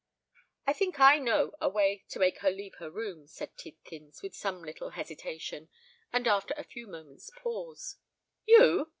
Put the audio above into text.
"I think I know a way to make her leave her room," said Tidkins, with some little hesitation, and after a few moments' pause. "You!"